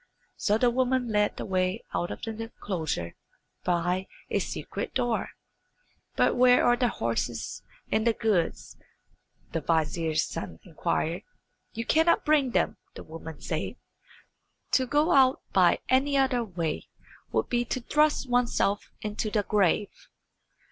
So the woman led the way out of the enclosure by a secret door. "But where are the horses and the goods?" the vizier's son inquired. "You cannot bring them," the woman said. "To go out by any other way would be to thrust oneself into the grave."